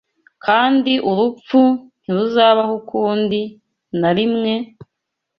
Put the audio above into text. Kandi urupfu ntiruzabaho ukundi na rimwe,